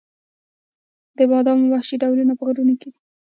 د بادامو وحشي ډولونه په غرونو کې دي؟